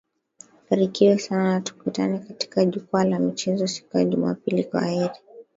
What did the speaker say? rikiwe sana na tukutane katika jukwaa la michezo siku ya juma pili kwaheri